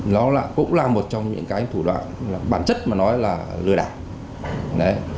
nó cũng là một trong những cái thủ đoạn bản chất mà nói là lừa đảo